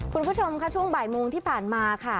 คุณผู้ชมค่ะช่วงบ่ายโมงที่ผ่านมาค่ะ